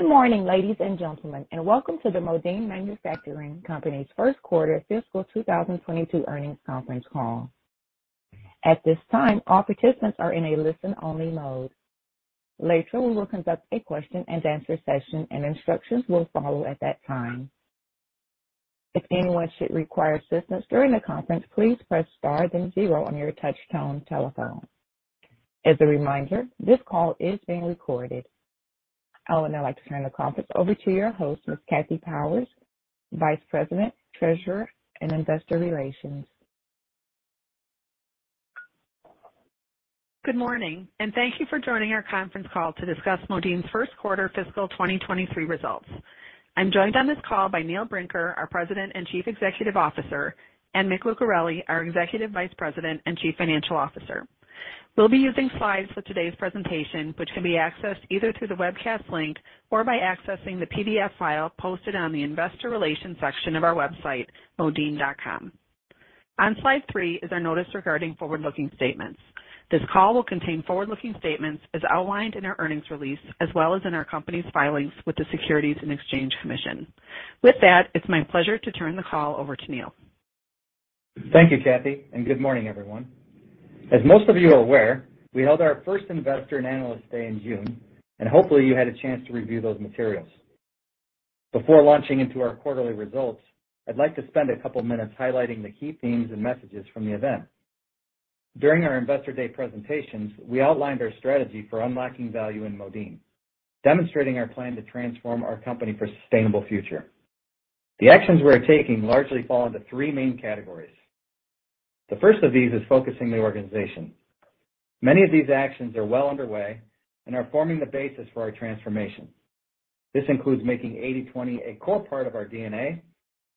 Good morning, ladies and gentlemen, and welcome to the Modine Manufacturing Company's First Quarter Fiscal 2022 Earnings Conference Call. At this time, all participants are in a listen-only mode. Later, we will conduct a question-and-answer session, and instructions will follow at that time. If anyone should require assistance during the conference, please press star then zero on your touchtone telephone. As a reminder, this call is being recorded. I would now like to turn the conference over to your host, Ms. Kathy Powers, Vice President, Treasurer, and Investor Relations. Good morning, and thank you for joining our conference call to discuss Modine's First Quarter Fiscal 2023 Results. I'm joined on this call by Neil Brinker, our President and Chief Executive Officer, and Mick Lucareli, our Executive Vice President and Chief Financial Officer. We'll be using slides for today's presentation, which can be accessed either through the webcast link or by accessing the PDF file posted on the investor relations section of our website, modine.com. On slide three is our notice regarding forward-looking statements. This call will contain forward-looking statements as outlined in our earnings release, as well as in our company's filings with the Securities and Exchange Commission. With that, it's my pleasure to turn the call over to Neil. Thank you, Kathy, and good morning, everyone. As most of you are aware, we held our first Investor and Analyst Day in June, and hopefully you had a chance to review those materials. Before launching into our quarterly results, I'd like to spend a couple minutes highlighting the key themes and messages from the event. During our Investor Day presentations, we outlined our strategy for unlocking value in Modine, demonstrating our plan to transform our company for a sustainable future. The actions we are taking largely fall into three main categories. The first of these is focusing the organization. Many of these actions are well underway and are forming the basis for our transformation. This includes making 80/20 a core part of our DNA,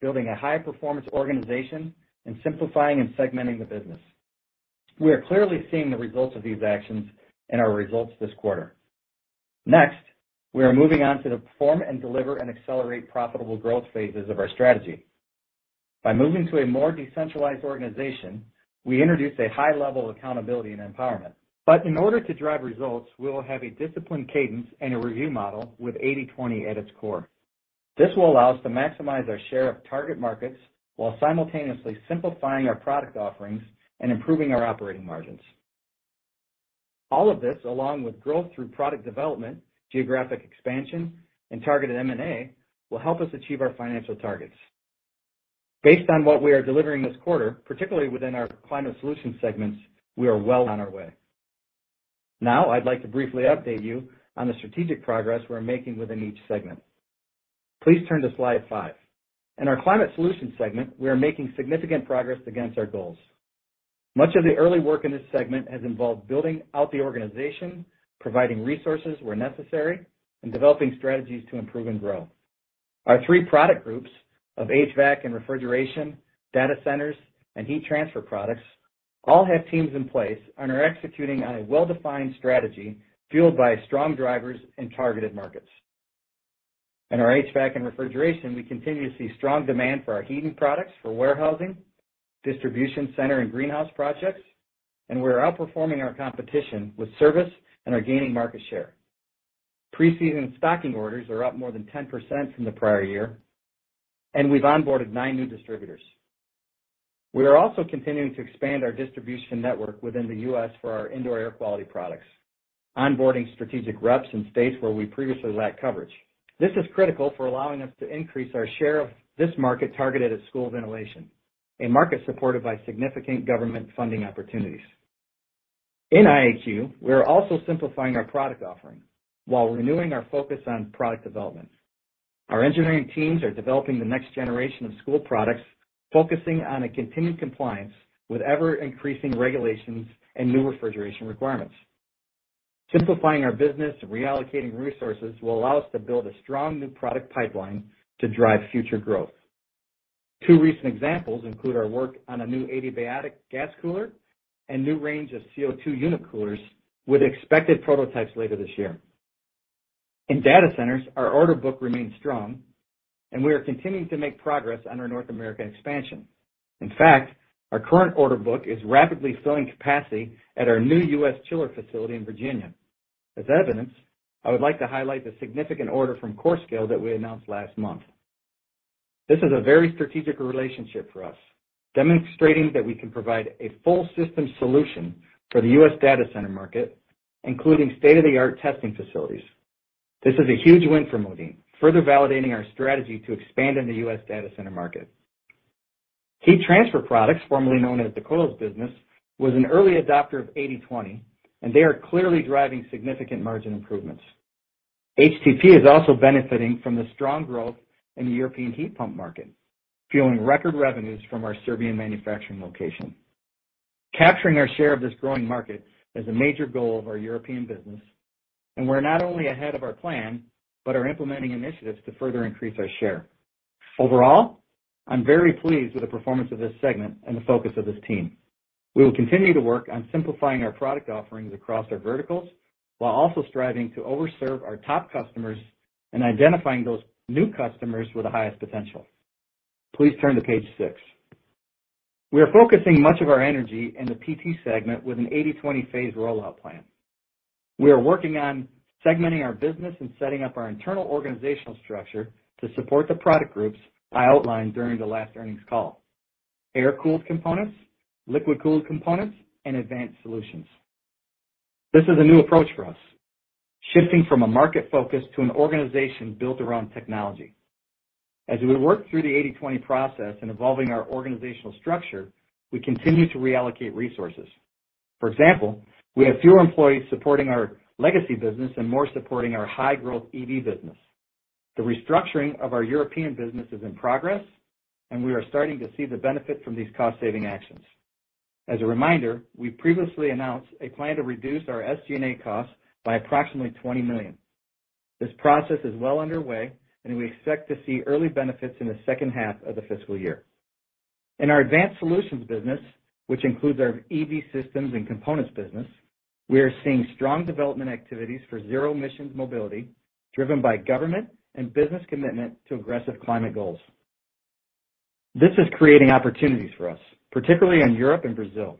building a high-performance organization, and simplifying and segmenting the business. We are clearly seeing the results of these actions in our results this quarter. Next, we are moving on to the perform and deliver and accelerate profitable growth phases of our strategy. By moving to a more decentralized organization, we introduced a high level of accountability and empowerment. In order to drive results, we will have a disciplined cadence and a review model with 80/20 at its core. This will allow us to maximize our share of target markets while simultaneously simplifying our product offerings and improving our operating margins. All of this, along with growth through product development, geographic expansion, and targeted M&A, will help us achieve our financial targets. Based on what we are delivering this quarter, particularly within our Climate Solutions segments, we are well on our way. Now, I'd like to briefly update you on the strategic progress we're making within each segment. Please turn to slide five. In our Climate Solutions segment, we are making significant progress against our goals. Much of the early work in this segment has involved building out the organization, providing resources where necessary, and developing strategies to improve and grow. Our three product groups of HVAC and refrigeration, data centers, and Heat Transfer Products all have teams in place and are executing on a well-defined strategy fueled by strong drivers and targeted markets. In our HVAC and refrigeration, we continue to see strong demand for our heating products for warehousing, distribution center, and greenhouse projects, and we are outperforming our competition with service and are gaining market share. Pre-season stocking orders are up more than 10% from the prior year, and we've onboarded nine new distributors. We are also continuing to expand our distribution network within the U.S. for our indoor air quality products, onboarding strategic reps in states where we previously lacked coverage. This is critical for allowing us to increase our share of this market targeted at school ventilation, a market supported by significant government funding opportunities. In IAQ, we are also simplifying our product offering while renewing our focus on product development. Our engineering teams are developing the next generation of school products, focusing on a continued compliance with ever-increasing regulations and new refrigeration requirements. Simplifying our business and reallocating resources will allow us to build a strong new product pipeline to drive future growth. Two recent examples include our work on a new adiabatic gas cooler and new range of CO2 unit coolers with expected prototypes later this year. In data centers, our order book remains strong, and we are continuing to make progress on our North American expansion. In fact, our current order book is rapidly filling capacity at our new U.S. chiller facility in Virginia. As evidence, I would like to highlight the significant order from Corscale that we announced last month. This is a very strategic relationship for us, demonstrating that we can provide a full system solution for the U.S. data center market, including state-of-the-art testing facilities. This is a huge win for Modine, further validating our strategy to expand in the U.S. data center market. Heat Transfer Products, formerly known as the coils business, was an early adopter of 80/20, and they are clearly driving significant margin improvements. HTP is also benefiting from the strong growth in the European heat pump market, fueling record revenues from our Serbian manufacturing location. Capturing our share of this growing market is a major goal of our European business, and we're not only ahead of our plan, but are implementing initiatives to further increase our share. Overall, I'm very pleased with the performance of this segment and the focus of this team. We will continue to work on simplifying our product offerings across our verticals while also striving to over-serve our top customers and identifying those new customers with the highest potential. Please turn to page six. We are focusing much of our energy in the PT segment with an 80/20 phase rollout plan. We are working on segmenting our business and setting up our internal organizational structure to support the product groups I outlined during the last earnings call. Air-Cooled components, Liquid-Cooled components, and Advanced Solutions. This is a new approach for us, shifting from a market focus to an organization built around technology. As we work through the 80/20 process and evolving our organizational structure, we continue to reallocate resources. For example, we have fewer employees supporting our legacy business and more supporting our high-growth EV business. The restructuring of our European business is in progress, and we are starting to see the benefit from these cost-saving actions. As a reminder, we previously announced a plan to reduce our SG&A costs by approximately $20 million. This process is well underway, and we expect to see early benefits in the second half of the fiscal year. In our Advanced Solutions business, which includes our EV systems and components business, we are seeing strong development activities for zero-emission mobility, driven by government and business commitment to aggressive climate goals. This is creating opportunities for us, particularly in Europe and Brazil.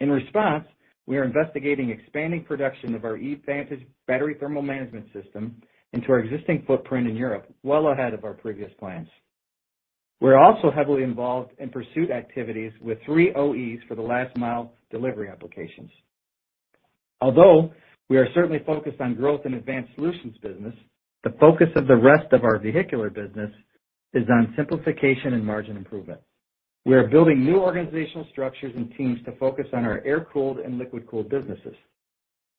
In response, we are investigating expanding production of our EVantage battery thermal management system into our existing footprint in Europe, well ahead of our previous plans. We're also heavily involved in pursuit activities with three OEs for the last mile delivery applications. Although we are certainly focused on growth in Advanced Solutions business, the focus of the rest of our vehicular business is on simplification and margin improvement. We are building new organizational structures and teams to focus on our Air-Cooled and Liquid-Cooled businesses.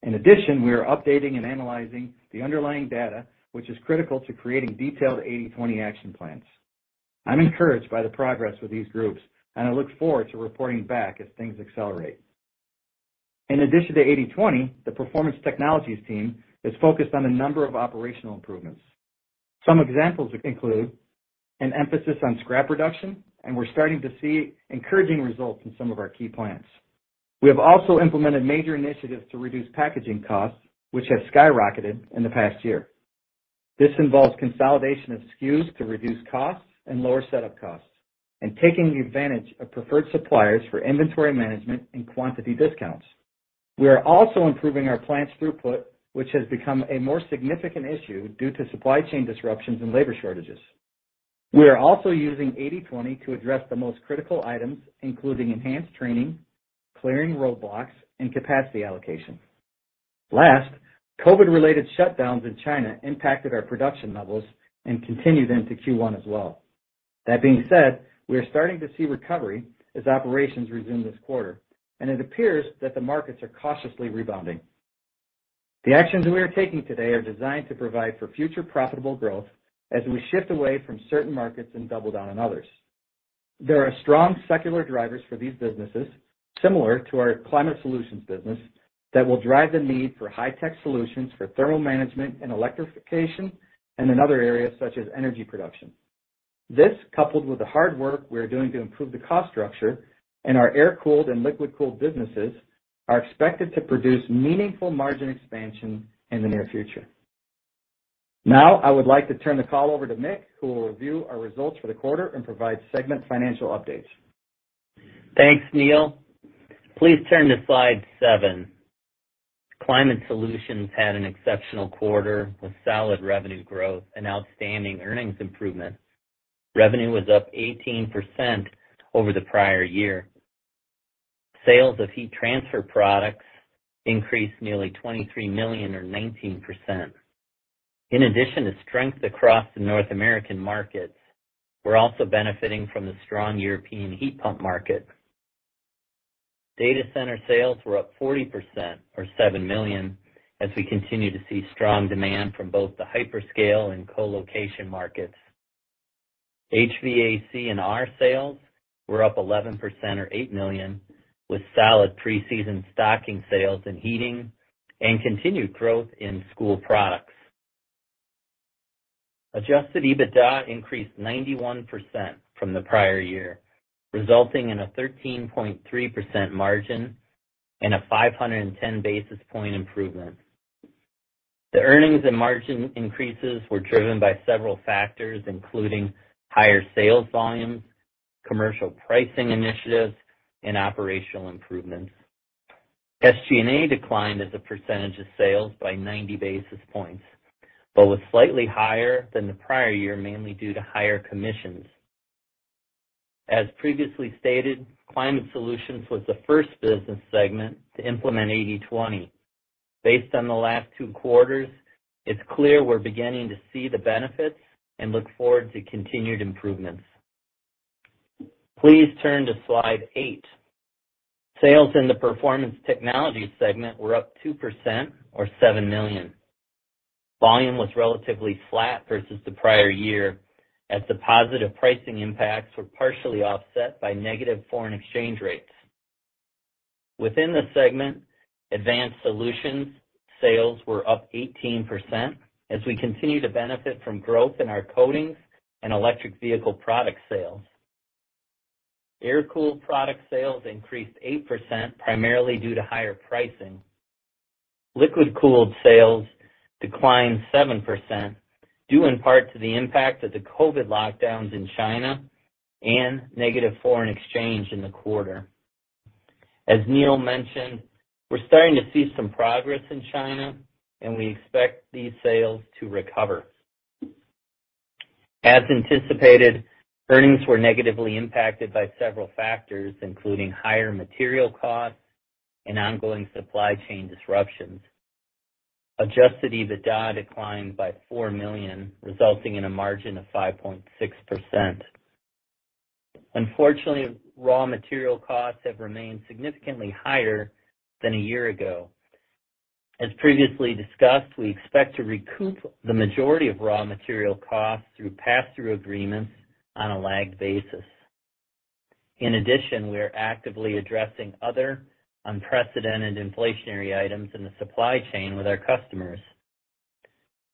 In addition, we are updating and analyzing the underlying data, which is critical to creating detailed 80/20 action plans. I'm encouraged by the progress with these groups, and I look forward to reporting back as things accelerate. In addition to 80/20, the Performance Technologies team is focused on a number of operational improvements. Some examples include an emphasis on scrap reduction, and we're starting to see encouraging results in some of our key plants. We have also implemented major initiatives to reduce packaging costs, which have skyrocketed in the past year. This involves consolidation of SKUs to reduce costs and lower setup costs, and taking advantage of preferred suppliers for inventory management and quantity discounts. We are also improving our plant's throughput, which has become a more significant issue due to supply chain disruptions and labor shortages. We are also using 80/20 to address the most critical items, including enhanced training, clearing roadblocks, and capacity allocation. Last, COVID-related shutdowns in China impacted our production levels and continued into Q1 as well. That being said, we are starting to see recovery as operations resume this quarter, and it appears that the markets are cautiously rebounding. The actions we are taking today are designed to provide for future profitable growth as we shift away from certain markets and double down on others. There are strong secular drivers for these businesses, similar to our Climate Solutions business, that will drive the need for high-tech solutions for thermal management and electrification, and in other areas such as energy production. This, coupled with the hard work we are doing to improve the cost structure in our Air-Cooled and Liquid-Cooled businesses, are expected to produce meaningful margin expansion in the near future. Now, I would like to turn the call over to Mick, who will review our results for the quarter and provide segment financial updates. Thanks, Neil. Please turn to slide seven. Climate Solutions had an exceptional quarter with solid revenue growth and outstanding earnings improvements. Revenue was up 18% over the prior year. Sales of Heat Transfer Products increased nearly $23 million or 19%. In addition to strength across the North American markets, we're also benefiting from the strong European heat pump markets. Data center sales were up 40% or $7 million as we continue to see strong demand from both the hyperscale and colocation markets. HVAC and R sales were up 11% or $8 million, with solid pre-season stocking sales in heating and continued growth in school products. Adjusted EBITDA increased 91% from the prior year, resulting in a 13.3% margin and a 510 basis point improvement. The earnings and margin increases were driven by several factors, including higher sales volumes, commercial pricing initiatives, and operational improvements. SG&A declined as a percentage of sales by 90 basis points, but was slightly higher than the prior year, mainly due to higher commissions. As previously stated, Climate Solutions was the first business segment to implement 80/20. Based on the last two quarters, it's clear we're beginning to see the benefits and look forward to continued improvements. Please turn to slide eight. Sales in the Performance Technologies segment were up 2% or $7 million. Volume was relatively flat versus the prior year as the positive pricing impacts were partially offset by negative foreign exchange rates. Within the segment, Advanced Solutions sales were up 18% as we continue to benefit from growth in our coatings and electric vehicle product sales. Air-cooled product sales increased 8% primarily due to higher pricing. Liquid cooled sales declined 7%, due in part to the impact of the COVID lockdowns in China and negative foreign exchange in the quarter. As Neil mentioned, we're starting to see some progress in China, and we expect these sales to recover. As anticipated, earnings were negatively impacted by several factors, including higher material costs and ongoing supply chain disruptions. Adjusted EBITDA declined by $4 million, resulting in a margin of 5.6%. Unfortunately, raw material costs have remained significantly higher than a year ago. As previously discussed, we expect to recoup the majority of raw material costs through passthrough agreements on a lagged basis. In addition, we are actively addressing other unprecedented inflationary items in the supply chain with our customers.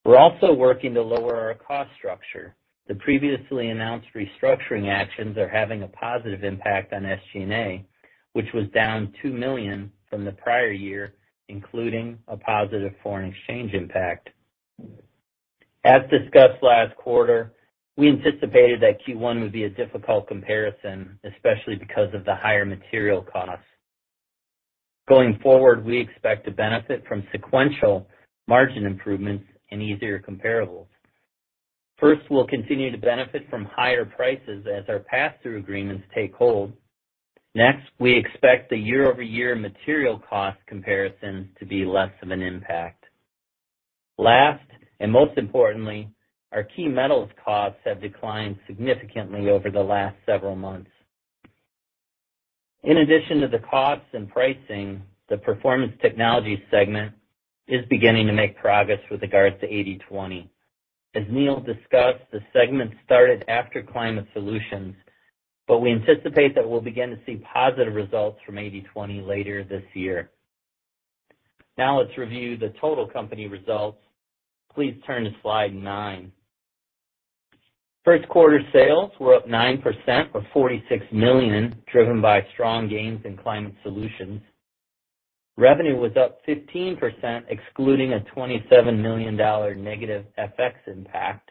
We're also working to lower our cost structure. The previously announced restructuring actions are having a positive impact on SG&A, which was down $2 million from the prior year, including a positive foreign exchange impact. As discussed last quarter, we anticipated that Q1 would be a difficult comparison, especially because of the higher material costs. Going forward, we expect to benefit from sequential margin improvements and easier comparables. First, we'll continue to benefit from higher prices as our passthrough agreements take hold. Next, we expect the year-over-year material cost comparisons to be less of an impact. Last, and most importantly, our key metals costs have declined significantly over the last several months. In addition to the costs and pricing, the Performance Technologies segment is beginning to make progress with regards to 80/20. As Neil discussed, the segment started after Climate Solutions, but we anticipate that we'll begin to see positive results from 80/20 later this year. Now let's review the total company results. Please turn to slide nine. First quarter sales were up 9% for $46 million, driven by strong gains in Climate Solutions. Revenue was up 15%, excluding a $27 million negative FX impact.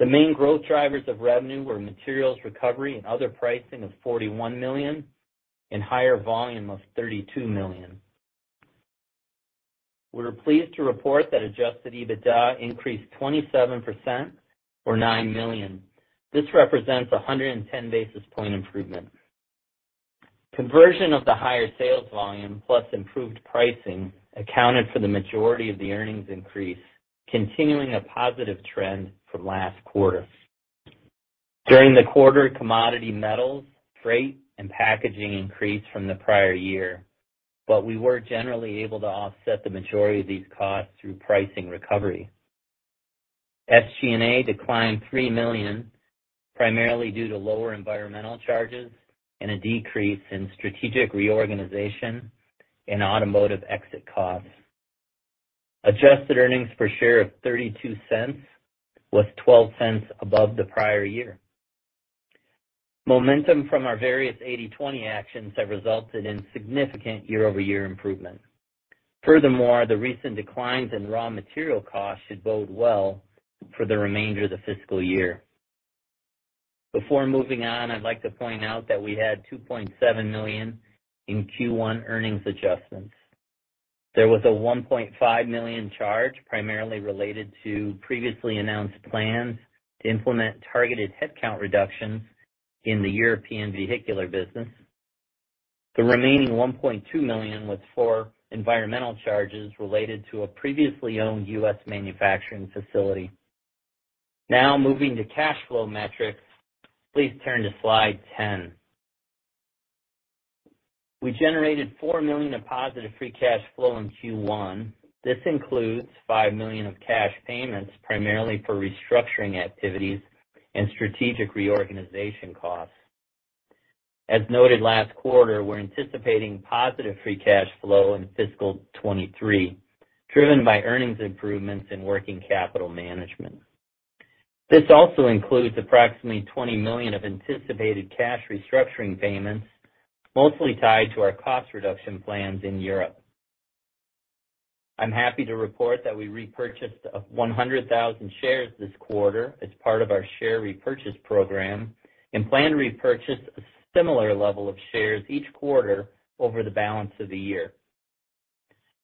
The main growth drivers of revenue were materials recovery and other pricing of $41 million and higher volume of $32 million. We're pleased to report that Adjusted EBITDA increased 27% or $9 million. This represents a 110 basis point improvement. Conversion of the higher sales volume plus improved pricing accounted for the majority of the earnings increase, continuing a positive trend from last quarter. During the quarter, commodity metals, freight, and packaging increased from the prior year, but we were generally able to offset the majority of these costs through pricing recovery. SG&A declined $3 million, primarily due to lower environmental charges and a decrease in strategic reorganization and automotive exit costs. Adjusted EPS of $0.32 was $0.12 above the prior year. Momentum from our various 80/20 actions have resulted in significant year-over-year improvement. Furthermore, the recent declines in raw material costs should bode well for the remainder of the fiscal year. Before moving on, I'd like to point out that we had $2.7 million in Q1 earnings adjustments. There was a $1.5 million charge primarily related to previously announced plans to implement targeted headcount reductions in the European vehicular business. The remaining $1.2 million was for environmental charges related to a previously owned U.S. manufacturing facility. Now, moving to cash flow metrics, please turn to slide 10. We generated $4 million of positive free cash flow in Q1. This includes $5 million of cash payments primarily for restructuring activities and strategic reorganization costs. As noted last quarter, we're anticipating positive free cash flow in fiscal 2023, driven by earnings improvements and working capital management. This also includes approximately $20 million of anticipated cash restructuring payments, mostly tied to our cost reduction plans in Europe. I'm happy to report that we repurchased 100,000 shares this quarter as part of our share repurchase program and plan to repurchase a similar level of shares each quarter over the balance of the year.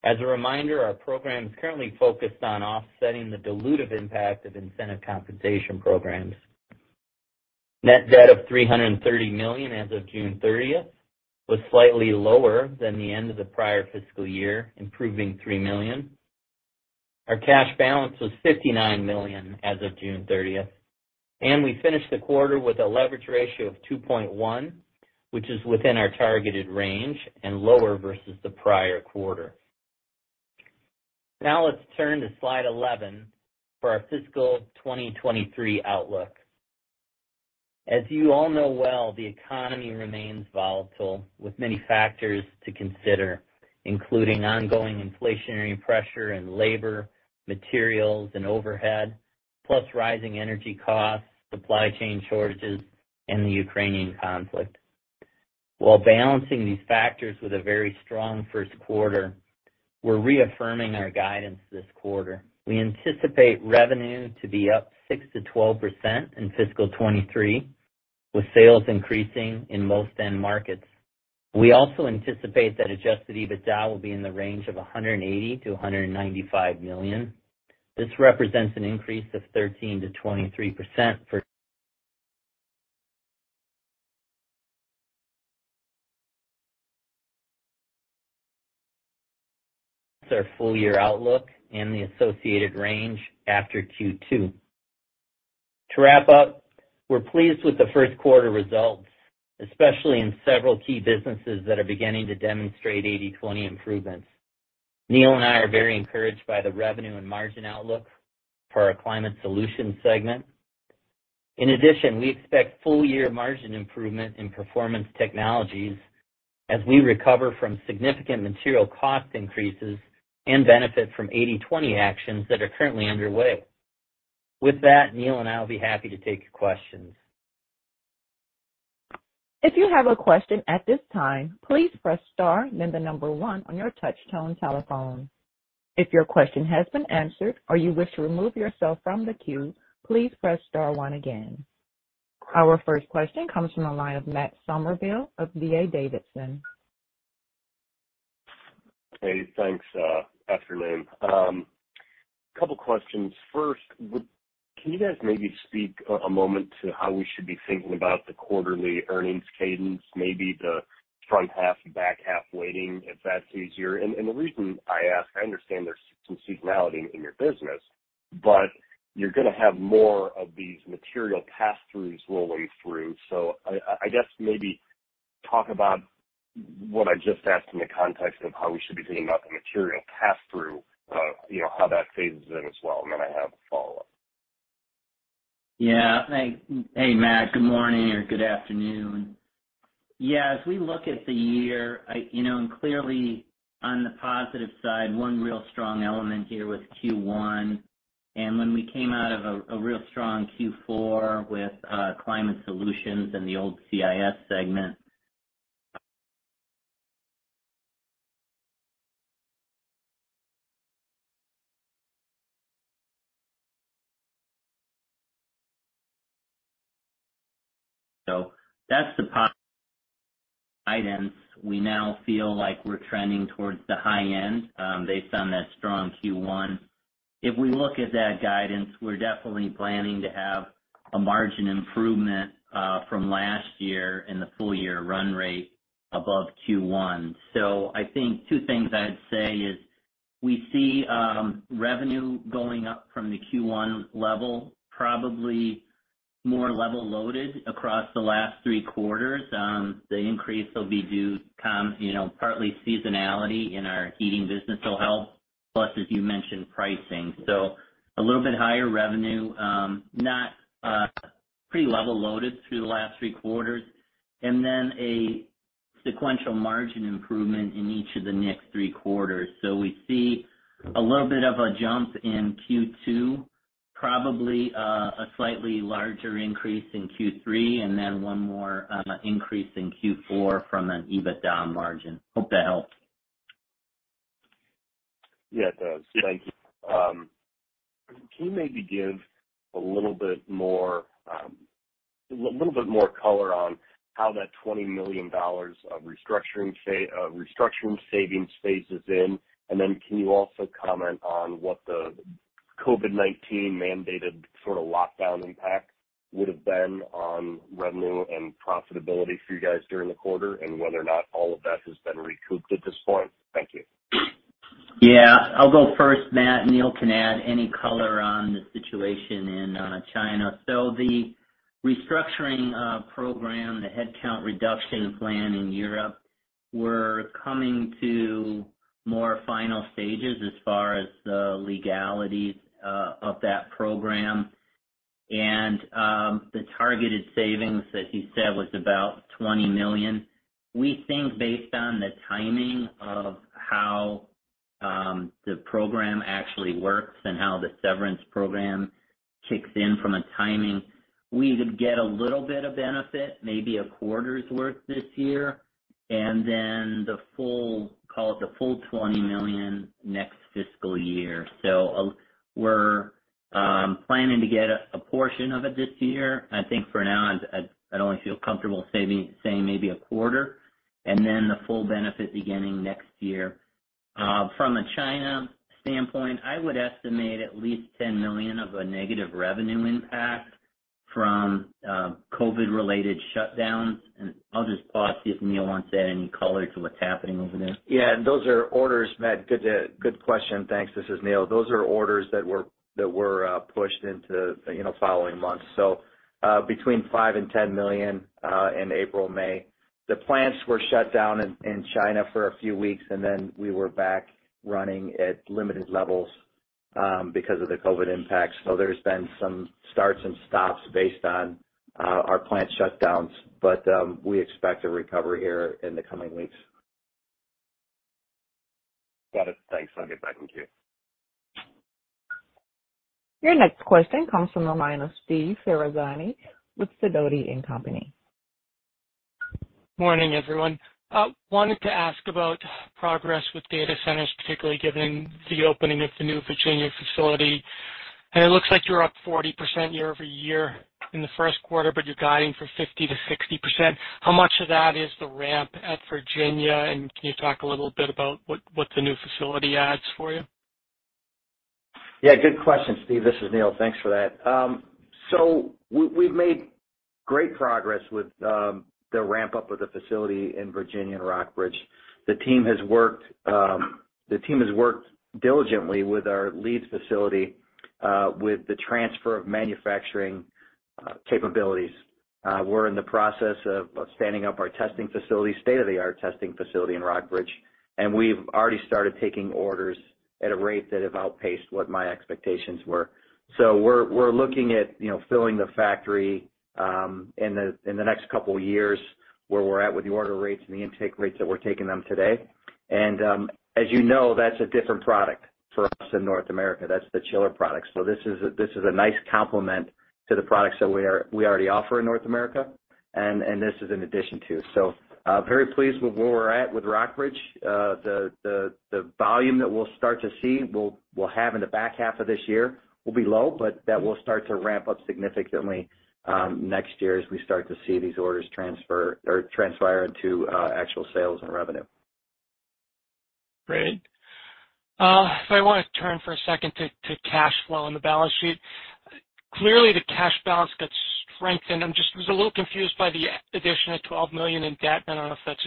As a reminder, our program is currently focused on offsetting the dilutive impact of incentive compensation programs. Net debt of $330 million as of June 30 was slightly lower than the end of the prior fiscal year, improving $3 million. Our cash balance was $59 million as of June thirtieth, and we finished the quarter with a leverage ratio of 2.1, which is within our targeted range and lower versus the prior quarter. Now let's turn to slide 11 for our fiscal 2023 outlook. As you all know well, the economy remains volatile with many factors to consider, including ongoing inflationary pressure in labor, materials, and overhead, plus rising energy costs, supply chain shortages, and the Ukrainian conflict. While balancing these factors with a very strong first quarter, we're reaffirming our guidance this quarter. We anticipate revenue to be up 6%-12% in fiscal 2023, with sales increasing in most end markets. We also anticipate that Adjusted EBITDA will be in the range of $180 million-$195 million. This represents an increase of 13%-23% for our full-year outlook and the associated range after Q2. To wrap up, we're pleased with the first quarter results, especially in several key businesses that are beginning to demonstrate 80/20 improvements. Neil and I are very encouraged by the revenue and margin outlook for our Climate Solutions segment. In addition, we expect full-year margin improvement in Performance Technologies as we recover from significant material cost increases and benefit from 80/20 actions that are currently underway. With that, Neil and I will be happy to take your questions. If you have a question at this time, please press star then the number one on your touchtone telephone. If your question has been answered or you wish to remove yourself from the queue, please press star one again. Our first question comes from the line of Matt Summerville of D.A. Davidson. Hey, thanks, afternoon. Couple questions. First, can you guys maybe speak a moment to how we should be thinking about the quarterly earnings cadence, maybe the front half, back half weighting, if that's easier? The reason I ask, I understand there's some seasonality in your business, but you're gonna have more of these material passthroughs rolling through. I guess, maybe talk about what I just asked in the context of how we should be thinking about the material passthrough, you know, how that phases in as well, and then I have a follow-up. Yeah. Hey, Matt, good morning or good afternoon. Yeah, as we look at the year, clearly on the positive side, one real strong element here was Q1. When we came out of a real strong Q4 with Climate Solutions and the old CIS segment. That's the positive items we now feel like we're trending towards the high end, based on that strong Q1. If we look at that guidance, we're definitely planning to have a margin improvement from last year in the full-year run rate above Q1. I think two things I'd say is we see revenue going up from the Q1 level, probably more level loaded across the last three quarters. The increase will come, partly seasonality in our heating business will help, plus, as you mentioned, pricing. A little bit higher revenue, pretty level loaded through the last three quarters. A sequential margin improvement in each of the next three quarters. We see a little bit of a jump in Q2, probably a slightly larger increase in Q3, and then one more increase in Q4 from an EBITDA margin. Hope that helps. Yeah, it does. Thank you. Can you maybe give a little bit more color on how that $20 million of restructuring savings phases in? And then can you also comment on what the COVID-19 mandated sort of lockdown impact would have been on revenue and profitability for you guys during the quarter, and whether or not all of that has been recouped at this point? Thank you. Yeah. I'll go first, Matt. Neil can add any color on the situation in China. The restructuring program, the headcount reduction plan in Europe, we're coming to more final stages as far as the legalities of that program. The targeted savings, as you said, was about $20 million. We think based on the timing of how the program actually works and how the severance program kicks in from a timing, we would get a little bit of benefit, maybe a quarter's worth this year, and then the full, call it the full $20 million next fiscal year. We're planning to get a portion of it this year. I think for now I'd only feel comfortable saying maybe a quarter, and then the full benefit beginning next year. From a China standpoint, I would estimate at least $10 million of a negative revenue impact from COVID-related shutdowns. I'll just pause, see if Neil wants to add any color to what's happening over there. Yeah. Those are orders, Matt. Good question. Thanks. This is Neil. Those are orders that were pushed into, you know, following months. Between $5 million-$10 million in April, May. The plants were shut down in China for a few weeks, and then we were back running at limited levels because of the COVID impact. There's been some starts and stops based on our plant shutdowns. We expect a recovery here in the coming weeks. Got it. Thanks. I'll get back with you. Your next question comes from the line of Steve Ferazani with Sidoti & Company. Morning, everyone. Wanted to ask about progress with data centers, particularly given the opening of the new Virginia facility. It looks like you're up 40% year-over-year in the first quarter, but you're guiding for 50%-60%. How much of that is the ramp at Virginia? Can you talk a little bit about what the new facility adds for you? Yeah, good question, Steve. This is Neil. Thanks for that. We've made great progress with the ramp-up of the facility in Virginia, in Rockbridge. The team has worked diligently with our Leeds facility with the transfer of manufacturing capabilities. We're in the process of standing up our state-of-the-art testing facility in Rockbridge, and we've already started taking orders at a rate that have outpaced what my expectations were. We're looking at, you know, filling the factory in the next couple of years where we're at with the order rates and the intake rates that we're taking them today. As you know, that's a different product for us in North America. That's the chiller products. This is a nice complement to the products that we already offer in North America, and this is in addition to. Very pleased with where we're at with Rockbridge. The volume that we'll start to see we'll have in the back half of this year will be low, but that will start to ramp up significantly next year as we start to see these orders transfer or transpire into actual sales and revenue. Great. So I wanna turn for a second to cash flow on the balance sheet. Clearly, the cash balance got strengthened. I was just a little confused by the addition of $12 million in debt. I don't know if that's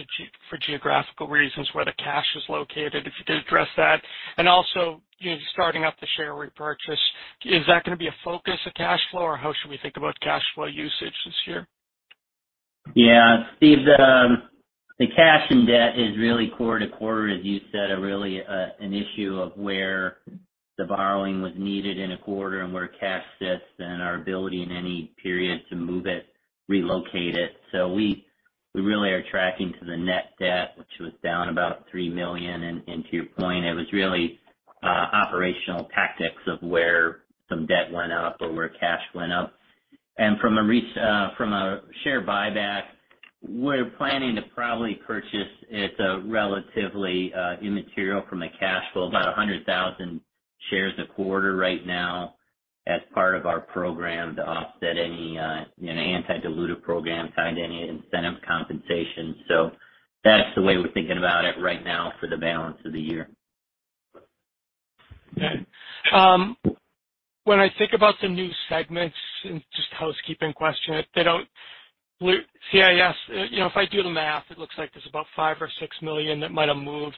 a geographical reasons where the cash is located, if you could address that. Also, you know, starting up the share repurchase, is that gonna be a focus of cash flow, or how should we think about cash flow usage this year? Yeah. Steve, the cash and debt is really quarter-to-quarter, as you said, are really an issue of where the borrowing was needed in a quarter and where cash sits and our ability in any period to move it, relocate it. We really are tracking to the net debt, which was down about $3 million. To your point, it was really operational tactics of where some debt went up or where cash went up. From a share buyback, we're planning to probably purchase. It's a relatively immaterial from a cash flow, about 100,000 shares a quarter right now as part of our program to offset any, you know, anti-dilutive program, tied to any incentive compensation. That's the way we're thinking about it right now for the balance of the year. Okay. When I think about the new segments, and just a housekeeping question, CIS, you know, if I do the math, it looks like there's about $5 million or $6 million that might have moved,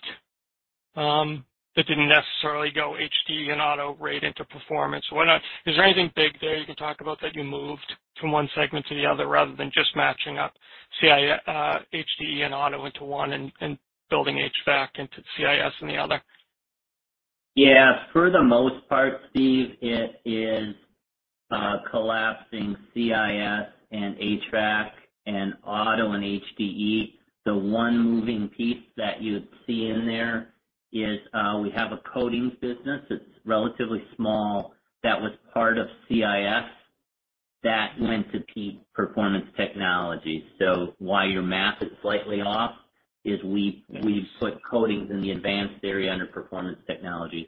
that didn't necessarily go HDE and auto right into performance. Why not? Is there anything big there you can talk about that you moved from one segment to the other rather than just matching up HDE and auto into one and building HVAC into CIS in the other? Yeah. For the most part, Steve, it is collapsing CIS and HVAC and auto and HDE. The one moving piece that you'd see in there is we have a coatings business that's relatively small, that was part of CIS, that went to Performance Technologies. So why your math is slightly off is we've put coatings in the advanced area under Performance Technologies.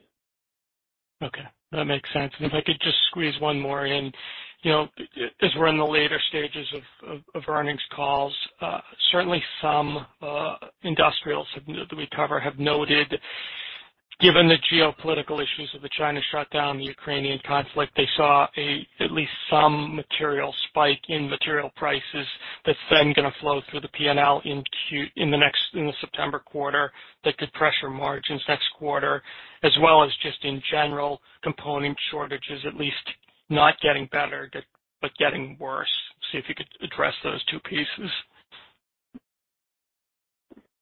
Okay. That makes sense. If I could just squeeze one more in. You know, as we're in the later stages of earnings calls, certainly some industrials that we cover have noted, given the geopolitical issues of the China shutdown, the Ukrainian conflict, they saw at least some material spike in material prices that's then gonna flow through the P&L in the September quarter that could pressure margins next quarter, as well as just in general component shortages at least not getting better but getting worse. See if you could address those two pieces.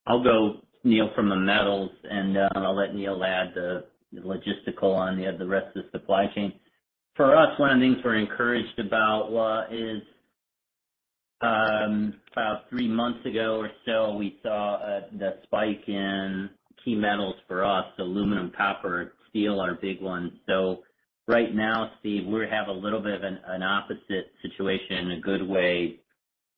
I'll go, Neil, from the metals, and I'll let Neil add the logistics on the rest of the supply chain. For us, one of the things we're encouraged about is about three months ago or so, we saw the spike in key metals for us. Aluminum, copper, steel are big ones. Right now, Steve, we have a little bit of an opposite situation in a good way.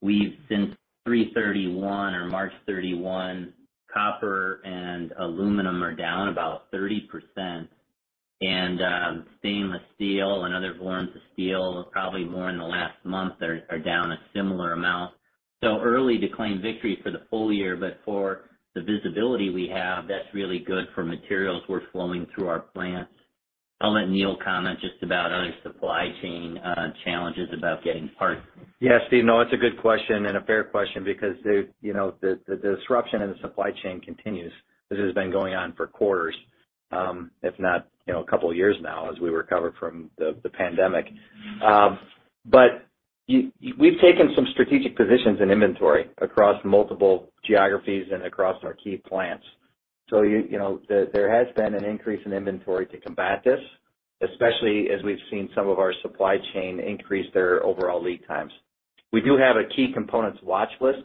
We've since 3/31 or March 31, copper and aluminum are down about 30%. Stainless steel and other forms of steel, probably more in the last month, are down a similar amount. Early to claim victory for the full year, but for the visibility we have, that's really good for materials we're flowing through our plants. I'll let Neil comment just about other supply chain challenges about getting parts. Yeah, Steve, no, it's a good question and a fair question because you know, the disruption in the supply chain continues. This has been going on for quarters, if not, you know, a couple of years now as we recover from the pandemic. But we've taken some strategic positions in inventory across multiple geographies and across our key plants. So you know, there has been an increase in inventory to combat this, especially as we've seen some of our supply chain increase their overall lead times. We do have a key components watch list.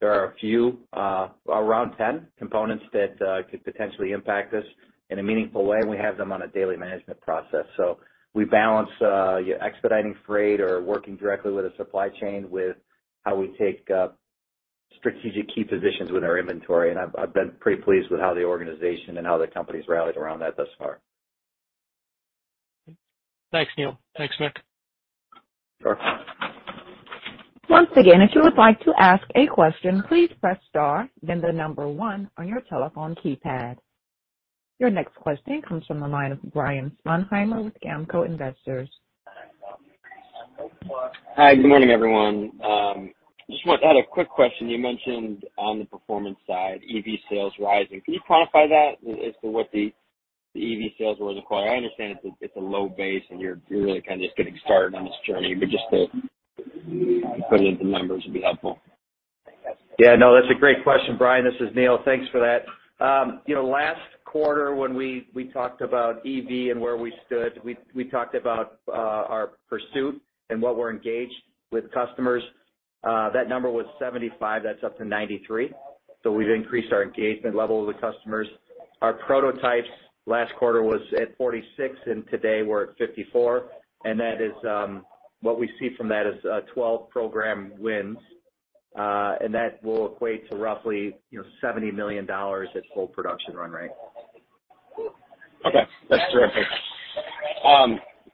There are a few, around 10 components that could potentially impact us in a meaningful way, and we have them on a daily management process. We balance our expediting freight or working directly with a supply chain with how we take strategic key positions with our inventory. I've been pretty pleased with how the organization and how the company's rallied around that thus far. Thanks, Neil. Thanks, Mick. Sure. Once again, if you would like to ask a question, please press star then the number one on your telephone keypad. Your next question comes from the line of Brian Sponheimer with GAMCO Investors. Hi, good morning, everyone. Just want to add a quick question. You mentioned on the performance side, EV sales rising. Can you quantify that as to what the EV sales were required? I understand it's a low base, and you're really kind of just getting started on this journey, but just to put in the numbers would be helpful. Yeah, no, that's a great question, Brian. This is Neil. Thanks for that. You know, last quarter when we talked about EV and where we stood, we talked about our pursuit and what we're engaged with customers. That number was 75. That's up to 93. So we've increased our engagement level with customers. Our prototypes last quarter was at 46, and today we're at 54. That is what we see from that is 12 program wins, and that will equate to roughly, you know, $70 million at full production run rate. Okay, that's terrific.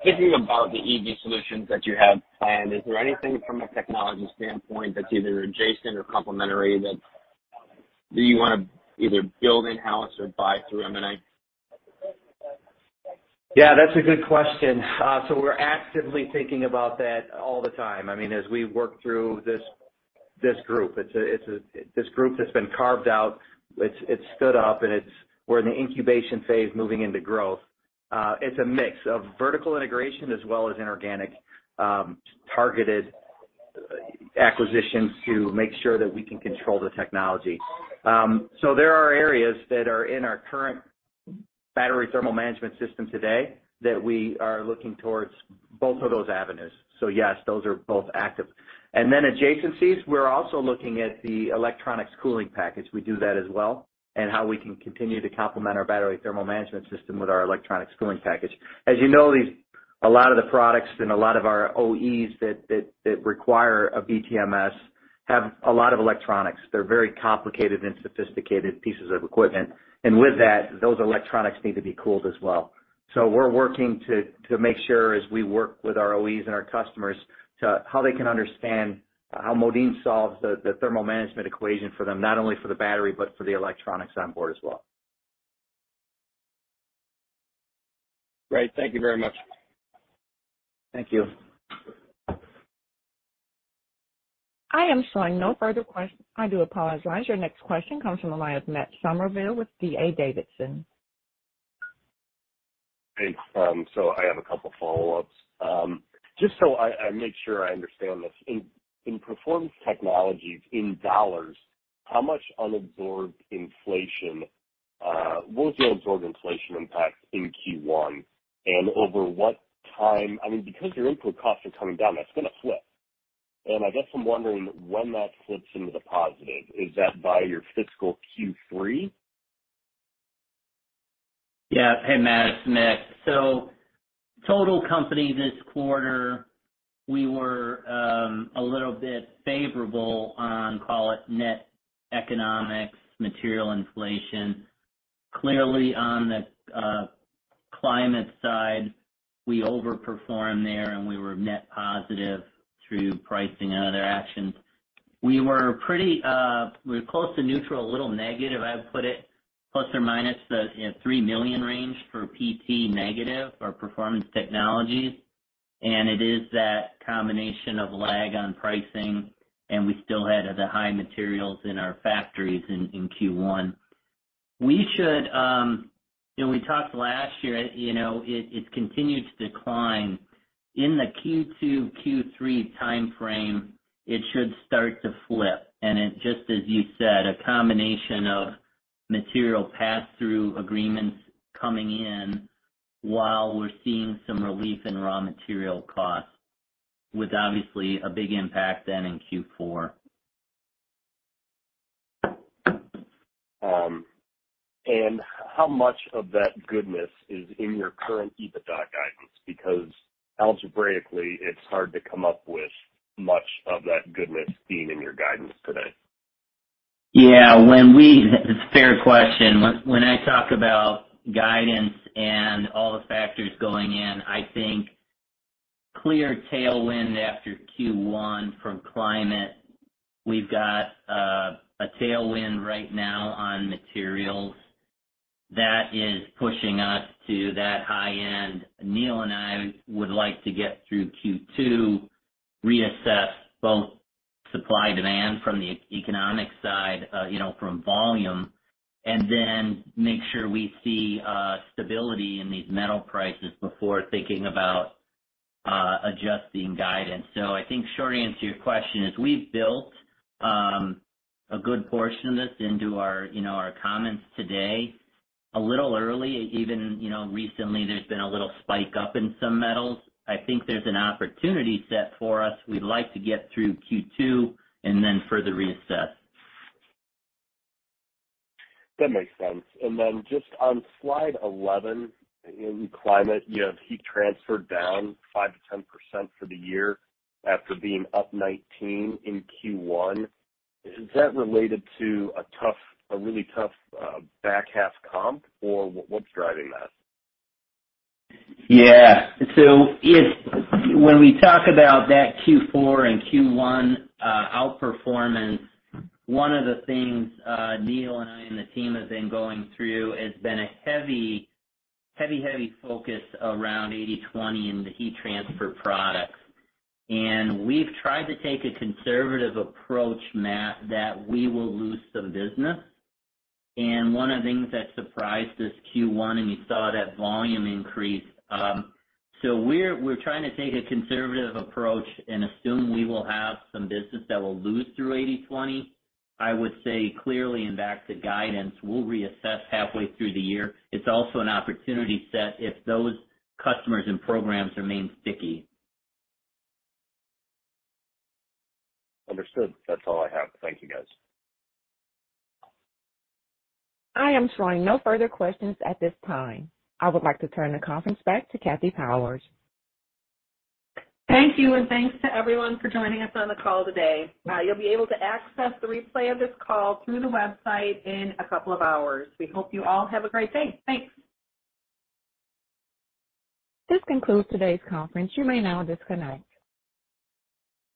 Thinking about the EV solutions that you have planned, is there anything from a technology standpoint that's either adjacent or complementary that you wanna either build in-house or buy through M&A? Yeah, that's a good question. So we're actively thinking about that all the time. I mean, as we work through this group that's been carved out, it's stood up, and we're in the incubation phase, moving into growth. It's a mix of vertical integration as well as inorganic, targeted acquisitions to make sure that we can control the technology. So there are areas that are in our current battery thermal management system today that we are looking towards both of those avenues. So yes, those are both active. Adjacencies, we're also looking at the electronics cooling package. We do that as well, and how we can continue to complement our battery thermal management system with our electronics cooling package. As you know, a lot of the products and a lot of our OEs that require a BTMS have a lot of electronics. They're very complicated and sophisticated pieces of equipment. With that, those electronics need to be cooled as well. We're working to make sure as we work with our OEs and our customers to how they can understand how Modine solves the thermal management equation for them, not only for the battery but for the electronics on board as well. Great. Thank you very much. Thank you. I do apologize. Your next question comes from the line of Matt Summerville with D.A. Davidson. Thanks. I have a couple follow-ups. Just so I make sure I understand this. In Performance Technologies in dollars, how much unabsorbed inflation will the absorbed inflation impact in Q1? Over what time? I mean, because your input costs are coming down, that's gonna flip. I guess I'm wondering when that flips into the positive. Is that by your fiscal Q3? Hey, Matt, it's Mick. Total company this quarter, we were a little bit favorable on, call it, net economics, material inflation. Clearly on the climate side, we overperformed there, and we were net positive through pricing and other actions. We were close to neutral, a little negative, I would put it, ±$3 million range for PT negative or Performance Technologies. It is that combination of lag on pricing, and we still had the high materials in our factories in Q1. We should. You know, we talked last year, you know, it's continued to decline. In the Q2, Q3 timeframe, it should start to flip. It, just as you said, a combination of material pass-through agreements coming in while we're seeing some relief in raw material costs, with obviously a big impact then in Q4. How much of that goodness is in your current EBITDA guidance? Because algebraically, it's hard to come up with much of that goodness being in your guidance today. Yeah. Fair question. When I talk about guidance and all the factors going in, I think clear tailwind after Q1 from Climate. We've got a tailwind right now on materials that is pushing us to that high end. Neil and I would like to get through Q2, reassess both supply-demand from the economic side, you know, from volume, and then make sure we see stability in these metal prices before thinking about adjusting guidance. I think short answer to your question is, we've built a good portion of this into our, you know, our comments today. A little early, even, you know, recently there's been a little spike up in some metals. I think there's an opportunity set for us. We'd like to get through Q2 and then further reassess. That makes sense. Just on slide 11 in Climate, you have Heat Transfer down 5%-10% for the year after being up 19% in Q1. Is that related to a really tough back-half comp, or what's driving that? Yeah. So when we talk about that Q4 and Q1 outperformance, one of the things Neil and I and the team have been going through, it's been a heavy focus around 80/20 in the Heat Transfer Products. We've tried to take a conservative approach, Matt, that we will lose some business. One of the things that surprised this Q1, and you saw it at volume increase. So we're trying to take a conservative approach and assume we will have some business that we'll lose through 80/20. I would say clearly and back to guidance, we'll reassess halfway through the year. It's also an opportunity set if those customers and programs remain sticky. Understood. That's all I have. Thank you, guys. I am showing no further questions at this time. I would like to turn the conference back to Kathy Powers. Thank you, and thanks to everyone for joining us on the call today. You'll be able to access the replay of this call through the website in a couple of hours. We hope you all have a great day. Thanks. This concludes today's conference. You may now disconnect.